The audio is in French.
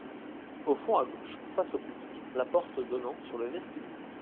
Au fond, à gauche, face au public, la porte donnant sur le vestibule.